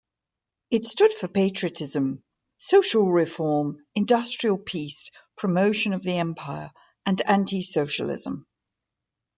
It stood for patriotism, social reform, industrial peace, promotion of the Empire and anti-socialism.